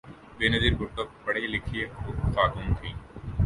بینظیر بھٹو پڑھی لکھی خاتون تھیں۔